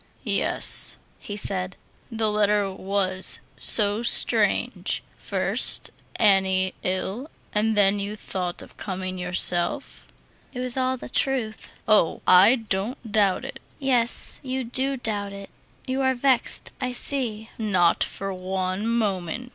"Yes," he said, "the letter was so strange. First, Annie ill, and then you thought of coming yourself." "It was all the truth." "Oh, I don't doubt it." "Yes, you do doubt it. You are vexed, I see." "Not for one moment.